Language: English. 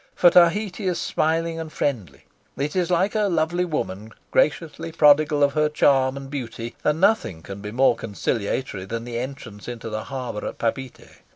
For Tahiti is smiling and friendly; it is like a lovely woman graciously prodigal of her charm and beauty; and nothing can be more conciliatory than the entrance into the harbour at Papeete.